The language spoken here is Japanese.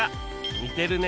「似てるね！」